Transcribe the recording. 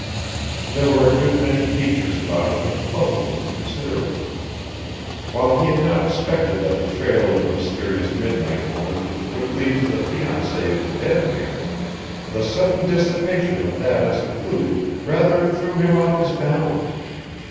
There were a good many features about it which puzzled him considerably. While he had not expected that the trail of the mysterious midnight woman would lead to the fiancée of the dead man, the sudden dissipation of that as a clue rather threw him off his balance.